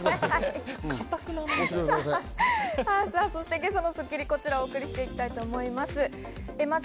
今朝の『スッキリ』、こちらをお送りしていきたいと思います。